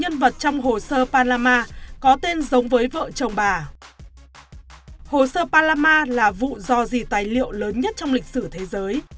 hồ sơ palama là vụ do gì tài liệu lớn nhất trong lịch sử thế giới